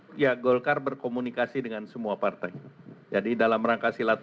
pertama kali kali kalau irwana juga seperti itu